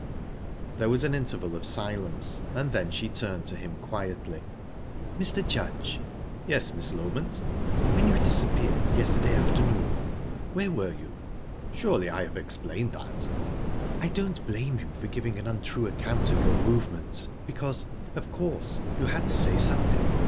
There was an interval of silence, and then she turned to him quietly: "Mr. Judge..." "Yes, Miss Loment?" "When you disappeared yesterday afternoon, where were you?" "Surely I have explained that?" "I don't blame you for giving an untrue account of your movements, because, of course, you had to say something.